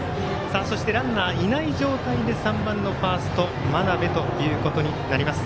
そしてランナーいない状態で３番のファースト真鍋ということになります。